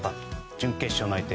準決勝の相手